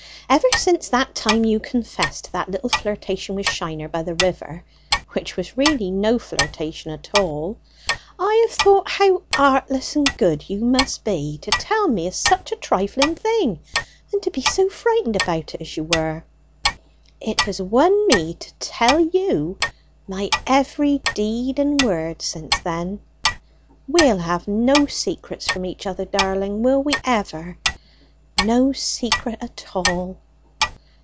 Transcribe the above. Ever since that time you confessed to that little flirtation with Shiner by the river (which was really no flirtation at all), I have thought how artless and good you must be to tell me o' such a trifling thing, and to be so frightened about it as you were. It has won me to tell you my every deed and word since then. We'll have no secrets from each other, darling, will we ever? no secret at all."